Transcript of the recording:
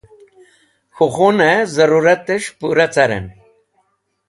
k̃hũ khun-e zarũrates̃h pura caren.